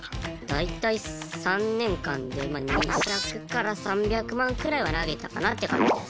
大体３年間で２００から３００万くらいは投げたかなって感じです。